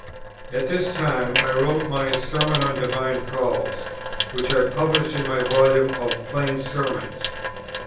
At this time, I wrote my Sermon on Divine Calls, which I published in my volume of Plain Sermons.